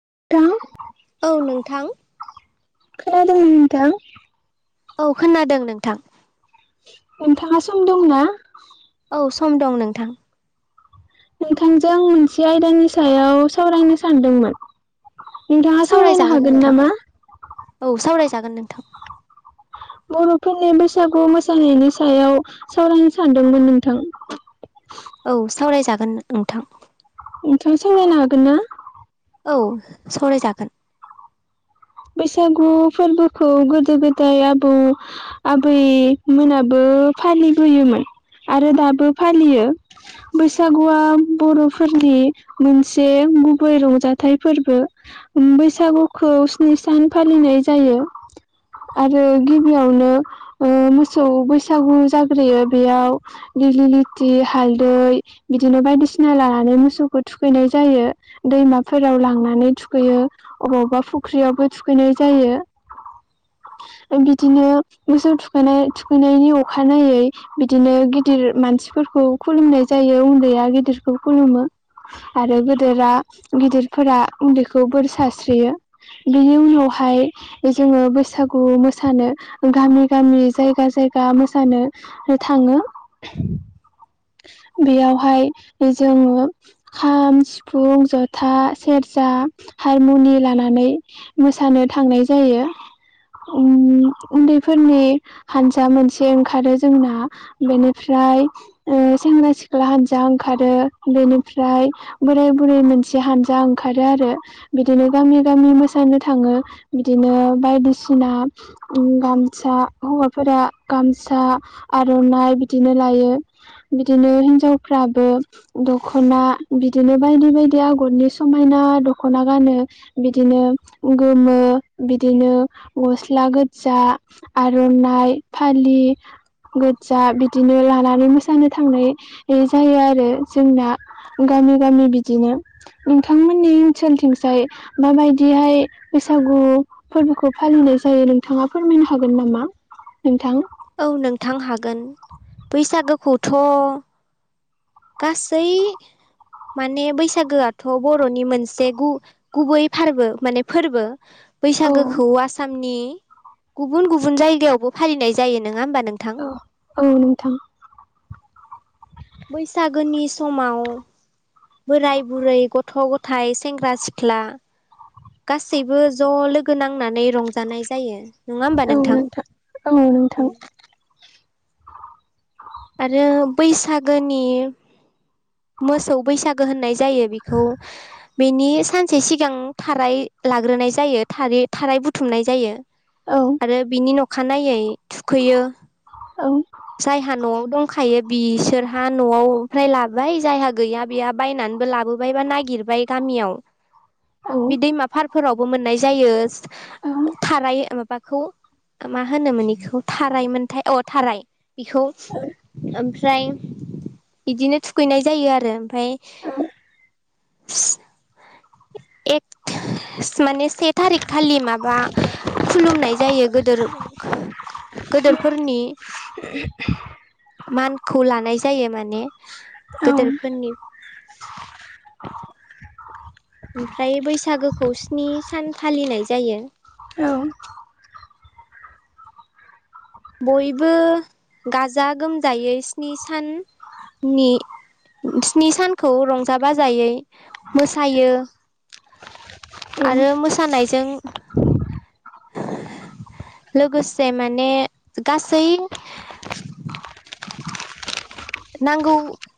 [inaudible] औ नोंथां खोनादों नोंथां। औ खोनादों नोंथां। नोंथाङा सम दंना? औ सम दं नोंथां। नोंथांजों मोनसे आयदानि सायाव सावरायनो सानदोंमोन। नोंथाङा सावरायनो सावरायजागोन हागोन नामा? जागोन नोंथां। बर'फोरनि बैसागु मोसानायनि सायाव सावरायनो सानदोंमोन नोंथां [inaudible] औ सावरायजागोन नोंथां। नोंथां सावरायनो हागोन ना? औ सावरायजागोन। बैसागु फोरबोखौ गोदो गोदाय आबौ आबैमोनाबो फालिबोयोमोन आरो दाबो फालियो बैसागुया बर' फोरनि मोनसे गुबै रंजाथाइ फोरबो बैसागुखौ जि सान फालिनाय जायो। आरो गिबियावनो ओ मोसौ बैसागु जाग्रोयो बेयाव दिग्लिलिथि हालदै बिदिनो बायदिसिना लानानै मोसौखौ थुखैनाय जायो। दैमाफोराव लांनानै थुखैयो अबा अबा फुख्रियावबो थुखैनाय जायो। [inaudible] बिदिनो मोसौ थुखैनाय थुखैनायनि अखानायै बिदिनो गिदिर मानसि मानसिफोरखौ खुलुमनाय जायो उनदैया गिदिरखौ खुलुमो। आरो गोदोरा गिदिरफोरा उनदैखौ बोर सास्रियो। बेनि उनावहाय जोङो बैसागु मोसानो गामि गामि जायगा जायगा जायगा मोसानो थाङो। बेयावहाय जोङो खाम, सिफुं, ज'था, सेरजा जा हारमुनि लानानै मोसानो थांनाय जायो। उनदैफोरनि हानजा मोनसे ओंखारो जोंना बेनिफ्राय ओ सेंग्रा सिख्ला हानजा ओंखारो बेनिफ्राय बोराय बुरै मोनसे हानजा ओंखारो आरो बिदिनो गामि गामि मोसानो थाङो बिदिनो बायदिसिना गामसा हौवाफोर या गामसा आर'नाइ बिदिनो लायो। बिदिनो हिनजावफ्राबो दख'ना बिदिनो बायदि बायदि आगरनि समायना ना दख'ना गानो। बिदिनो गोमो बिदिनो ग'स्ला गोजा आर'नाइ नाय फालि गोजा बिदिनो लानानै मोसानो थांनाय जायो आरो जोंना गामि गामि बिदिनो नोंथांमोननि ओनसोलथिंजाय माबायदिहाय बैसागु फोरबोखौ फालिनाय जायो नोंथाङा फोरमायनो हागोन नामा? नोंथां औ नोंथां हागोन बैसागोखौथ' गासै माने बैसागोयाथ' बर'नि मोनसे गु गुबै फारबो माने फोरबो औ बैसागोखौ आसामनि गुबुन गुबुन जायगायावबो फालिनाय जायो नोङा होनबा औ औ नोंथां। बैसागोनि समाव बोराय बुरै गथ' गथाइ सेंग्रा सिख्ला गासैबो ज' लोगो नांनानै रंजानाय जायो। नङा होमबा औ नोंथां औ नोंथां आरो बैसागोनि मोसौ बैसागो होननाय जायो बेखौ बिनि सानसे सिगां थाराय लाग्रोनाय जायो थाराय बुथुमनाय जायो औ आरो बिनि न'खानायनायै थुखैयो औ जायहा न'याव दंखायो बिसोरहा न'आव लाबाय जायहा गैया बेहा बायनानैबो लाबोबाय बा नागिर गिरबाय गामियाव औ बे दैमा फारफोरावबो मोननाय जायो औ थाराय माबाखौ मा होनोमोन बेखौ थारायमोनथाय अ थाराय बेखौ ओमफ्राय बिदिनो थुखैनाय जायो आरो ओमफ्राय एक माने से थारिख खालि माबा खुलुमनाय जायो गोदोर गोदोरफोरनि मानखौ लानाय जायो माने औ गेदोरफोरनि ओमफ्राय बैसागोखौ स्नि सान फालिनाय जायो औ बयबो गाजा गोमजायै स्नि सान नि स्नि सानखौ रंजा बाजायै मोसायो औ आरो मोसानायजों लोगोसे माने गासै नांगौ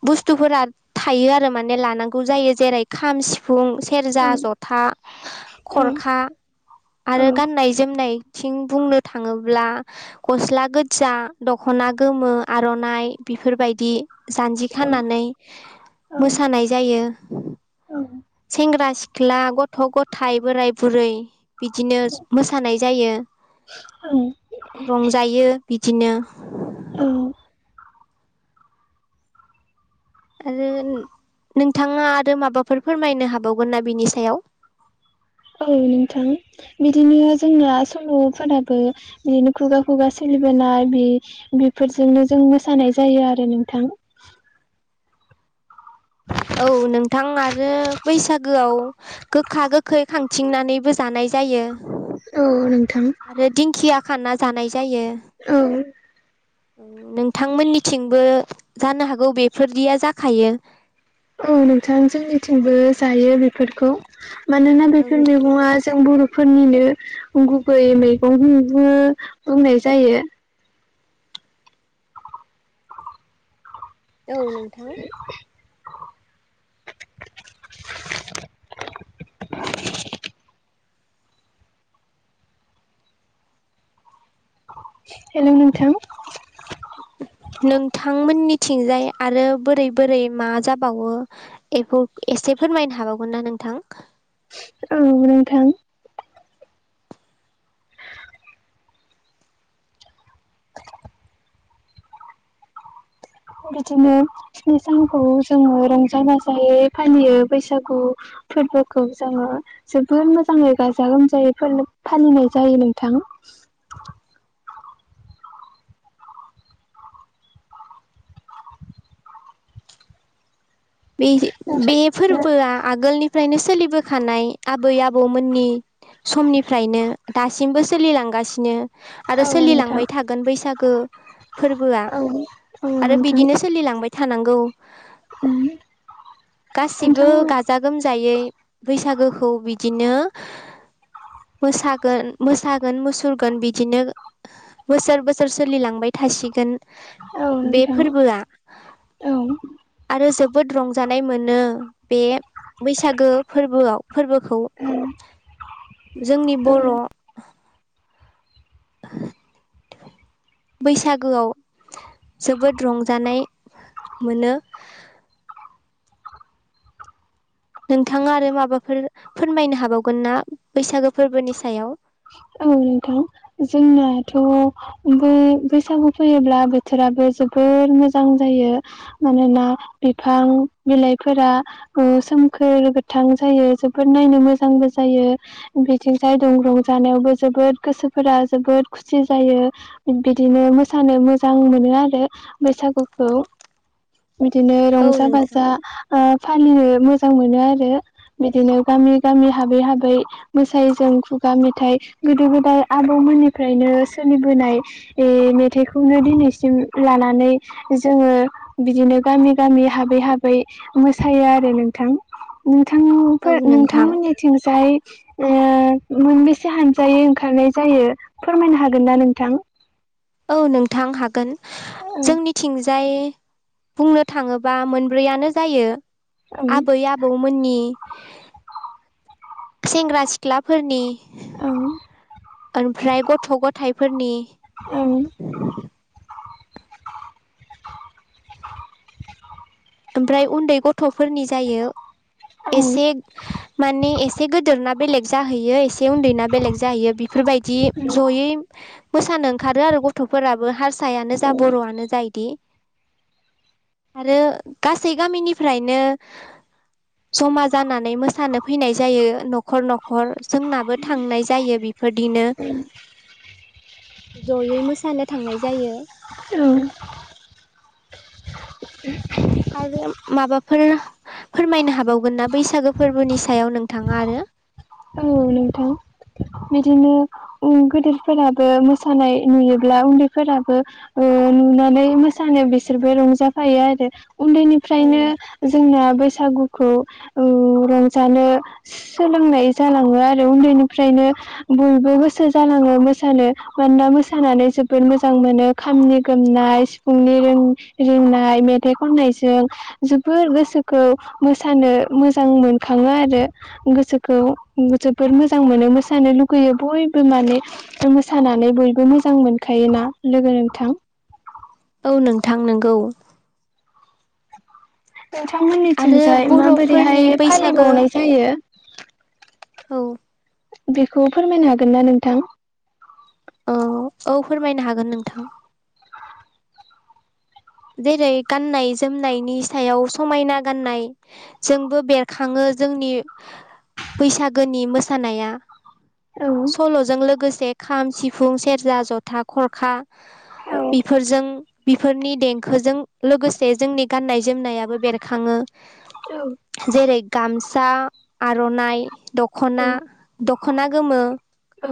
बुस्थुफोरा थायो आरो माने लानांगौ जायो जेरै खाम सिफुं सेरजा जथा खरखा औ आरो गाननाय जोमनायथिं बुंनो थाङोब्ला गस्ला गोजा दखना ना गोमो आर'नाइ बेफोरबायदि दि जान्जि खानानै मोसानाय जायो सेंग्रा सिख्ला गथ' गथाय बोराय बुरै बिदिनो मोसानाय जायो [unintelligible] रंजायो बिदिनो औ आरो नोंथाङा आरो माबाफोर फोरमायनो हाबावगोन ना बिनि सायाव [inaudible] औ नोंथां बिदिनो जोंना सल'फोराबो बिदिनो खुगा खुगा सोलि नाय बेफोरजोंनो जों मोसानाय जायो आरो नोंथां औ नोंथां आरो बैसागोआव गोखा गोखै खांथिंनानैबो जानाय जायो औ नों आरो दिंखिया खाना जानाय औ औ नोंथांमोननिथिंबो जानो हागौ बेफोरदिया जाखायो औ नोंथां जोंनिथिंबो जायो बेफोरखौ मानोना बेफोर औ मैगङा जों बर' फोरनिनो गुबै मैगं [unintelligible] बुंनाय जायो औ नोंथां हेल' नोंथां थिंजाय आरो बोरै बोरै मा जाबावो बेखौ एसे फोरमायनो हाबावगोन ना नों थां औ नोंथां बिदिनो स्नि सानखौ जोङो रंजा बाजायै फालियो बैसागु फोरबोखौ जोङो जोबोर मोजाङै गाजा गोमजायै फालिनाय जायो नोंथां [inaudible] बे बे फोरबोआ आगोलनिफ्रायनो सोलिबोखानाय आबै आबौमोननि समनिफ्रायनो दासिमबो सोलिलांगासिनो आरो औ नोंथां सोलिलांबाय थागोन बैसागो फोरबोआ औ औ आरो बिदिनो सोलिलांबाय थानांगौ उम गासिबो गाजा गोमजायै बैसागोखौ बिदि बिदिनो मोसागोन मोसागोन मुसुरगोन बिदिनो बोसोर बोसोर सोलिलांबाय थासिगोन औ बे नोंथां फोरबोआ औ आरो जोब- बोद रंजानाय मोनो बे बैसागो फोरबोआव फोरबोखौ जोंनि औ बर' [inaudible] बैसागोआव जोबोद रंजानाय मोनो नोंथाङा आरो माबाफोर फोरमायनो हाबावगोन ना बैसागो फोरबोनि सायाव औ नोंथां जोंनाथ' बे बैसागु फैयोब्ला बोथोराबो जोबोर मोजां जायो मोनोना बिफां बिलाइफोरा सोमखोर गोथां जायो जोबोद नायनो मोजांबो जायो बिथिं जाय दं रंजा - नायावबो जोबोद गोसोफोरा जोबोद खुसि जायो बिदिनो मोसानो मोजां मोनो आरो बैसागुखौ बिदिनो औ रंजा नोंथां बाजा फालिनो मोजां मोनो आरो बिदिनो गामि गामि हाबै हाबै मोसायो जों खुगा मेथाइ मेथाइ गोदो गोदाय आबौमोननिफ्रायनो सोलिबोनाय ओ मेथाइखौनो दिनैसिम लानानै जोङो बिदिनो गामि गामि हाबै हाबै मोसायो आरो नोंथां औ नोंथांनि‌ नोंथां नोंथांमोननिथिंजाय ओ एसे हानजायै ओंखारनाय जायो फोरमायनो हागोन ना नोंथां औ नोंथां हागोन औ जोंनिथिं जाय बुंनो थाङोबा मोनब्रैयानो जायो औ आबै आबौमोननि सेंग्रा सिख्लाफोरनि औ ओमफ्राय गथ' गथाइफोरनि औ ओमफ्राय उन्दै गथ'फोरनि जायो औ एसे माने एसे गोदोर ना बेलेग जाहैयो एसे उन्दै बेलेग जाहैयो बेफोरबायदि जयै मोसानो ओंखारो आरो गथ'फोराबो हारसायानो जा बर'आनो जा बिदि आरो गासै गामिनिफ्रायनो जमा जानानै मोसानो फैनाय जायो न'खर न'खर जोंनाबो थांनाय जायो बेफोरदिनो [inaudible] जयै मोसानो थांनाय जायो [inaudible] आरो माबाफोर फोरमायनो हाबावगोन ना बैसागो फोरबोनि सायाव नोंथाङा आरो औ नोंथां बिदिनो ओ गोदोरफोराबो मोसानाय नुयोब्ला उन्दैफोराबो ओ ओ नुनानै मोसानो बिसोरबो रंजाफायो आरो उन्दैनिफ्रायनो औ जोंना बिसोर बैसागुखौ ओ रंजानो सोलोंनाय जालाङो आरो उन्दैनिफ्रायनो बयबो गोसो जालाङो मोसानो मानोना मोसानानै जोबोद मोजां मोनो खामनि गोमनाय सिफुंनि रिंनाय मेथाइ खननायजों जोबोर गोसोखौ मोसानो मोजां मोनखाङो आरो गोसोखौ जोबोर मोजां मोनो मोसानो लुगैयो बयबो माने मोसानानै बयबो मोजां मोनखायो खायोना लोगो नोंथां औ नोंथां नोंगौ। आरो नोंथांमोननिथिंजाय माबोरैहाय बर'फोरनि बैसागो फालिबावनाय जायो। औ बेखौ फोरमायनो हागोन ना नोंथां? औ औ फोरमायनो हागोन नोंथां। जेरै गान्नाय जोमनायनि सायाव समायना गाननाय जोंबो बेरखाङो। जोंनि बैसागोनि मोसानाया औ सल'जों लोगोसे खाम, सिफुं, सेरजा, जथा, खरखा औ बिफोरजों बिफोरनि दें खोजों लोगोसे जोंनि गाननाय-जोमनायाबो बेरखाङो। जेरै गामसा, आर'नाइ दख'ना दख'ना गोमो औ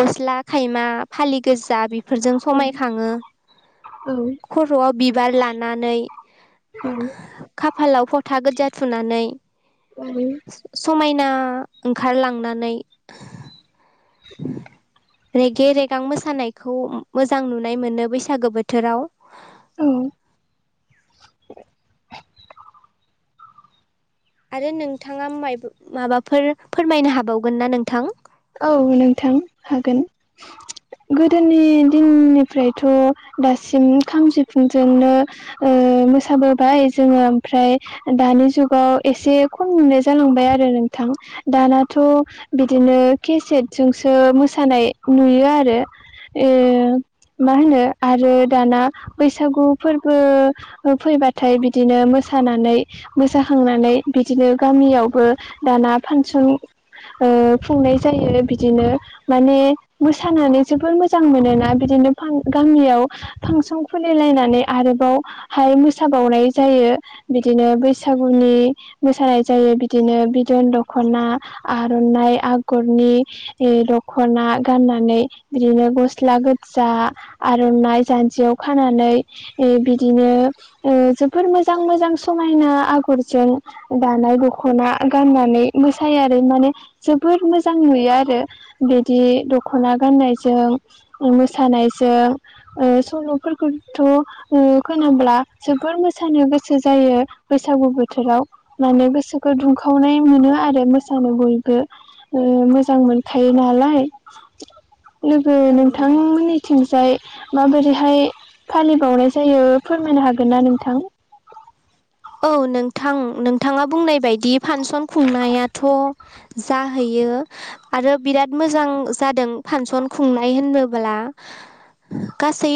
गस्ला खायमा फालि गोजा बिफोरजों समाय खाङो। खर'आव बिबार लानानै खाफालाव फथा गोजा थुनानै आरो समायना ओंखारलांनानै उम रेगे रेगां मोसानायखौ मोजां नुनाय मोनो बैसागो बोथोराव औ आरो नोंथाङा मायबा माबाफोर फोरमायनो हाबावगोन ना नोंथां? औ नोंथां हागोन। गोदोनि दिननिफ्रायथ' दासिम खाम सिफुंजोंनो ओ मोसाबोबाय जोङो ओमफ्राय दानि जुगाव एसे खम नुनाय जालांबाय आरो नों थां दानाथ' बिदिनो केसेटजोंसो मोसानाय नुयो आरो ओ मा होनो आरो दाना बैसागु फोरबो फैबाथाय बिदिनो मो सानानै मोसाखांनानै बिदिनो गामियावबो दाना फांसन फुंनाय जायो बिदिनो माने मोसानानै जोबोर मोजां मोनोना बिदिनो फां गामियाव फांसन खुलिलायनानै आरोबावहाय मोसाबावनाय जायो बिदिनो बै सागुनि मोसानाय जायो बिदिनो बिदन दख'ना आर'नाइ आ गरनि दखना गाननानै बिदिनो गस्ला गोजा आरो नाय जानजियाव खानानै ओ बिदिनो ओ जोबोर मोजां मोजां समायना आगरजों दानाय दख'ना गाननानै मोसायो आरो माने जोबोर मोजां मोजां नुयो आरो बिदि दख'ना गाननायजों मोसानायजों ओ सल'फोरखौथ' ओ खोनाब्ला जोबोर मोसानो गोसो जायो गो बैसागु बोथोराव माने गोसोखौ दुंखावनाय मोनो आरो मोसानो बयबो ओ मोजां मोनखायो नालाय लोगो औ नोंथां नोंथांमोननिथिंजाय माबोरैहाय फालिबावनाय जायो फोरमायनो हागोन ना नोंथां? औ नोंथां नोंथाङा बुंनाय बायदि फानसन खुंनायाथ' जाहैयो आरो बिराद मोजां जादों फानसन खुंनाय होननोब्ला गासै